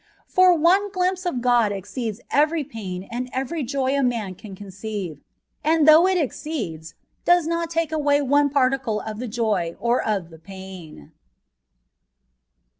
For one glimpse of God exceeds every pain and every Joy a man can conceive, and though it ex ceeds, does not take away one particle of the Joy or of the pain.